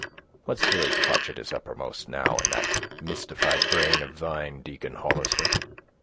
"What silly crotchet is uppermost, now, in that mystified brain of thine, Deacon Hollister?"